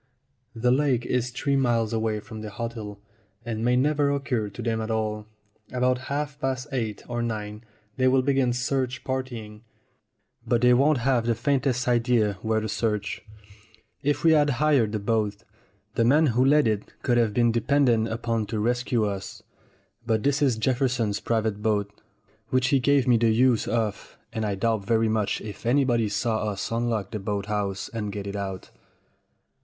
The lake is three miles away from the hotel, and may never occur to them at all. About half past eight or nine they will begin search partying, but they won't have the faintest idea where to search. If we had hired the boat, the man who let it could have been depended upon to rescue us. But this is Jefferson's private boat, which he gave me the use of, and I doubt very much if anybody saw us unlock the boat house and get it out.